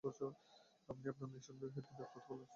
আপনি আপনার মেয়ের সঙ্গে দিন-রাত কথা বলবেন ও শুনে-শুনে শিখবে।